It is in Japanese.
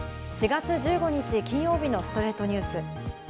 ４月１５日、金曜日の『ストレイトニュース』。